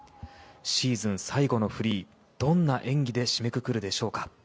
シーズン最後のフリーどんな演技で締めくくるでしょうか。